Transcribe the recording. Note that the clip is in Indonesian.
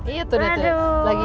iya tuh letak letaknya